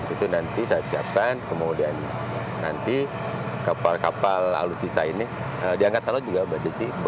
itu nanti saya siapkan kemudian nanti kapal kapal alutsista ini di angkatan laut juga mbak desi